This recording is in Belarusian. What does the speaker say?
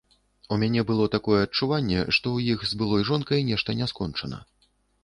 У мяне было такое адчуванне, што ў іх з былой жонкай нешта не скончана.